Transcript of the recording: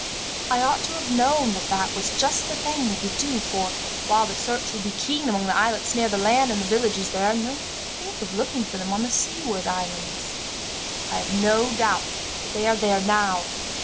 I ought to have known that that was just the thing they would do, for while the search would be keen among the islets near the land, and the villages there, no one would think of looking for them on the seaward islands. "I have no doubt they are there now.